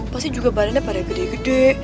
pasti juga barangnya pada gede gede